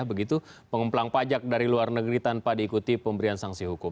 begitu pengemplang pajak dari luar negeri tanpa diikuti pemberian sanksi hukum